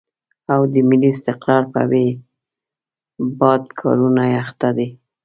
او د ملي استقرار په بې باد کاروبار اخته دي.